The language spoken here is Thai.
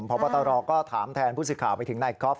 พระบัตรรอก็ถามแทนผู้สิทธิ์ข่าวไปถึงนายก๊อฟ